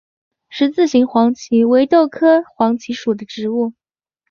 十字形黄耆为豆科黄芪属的植物。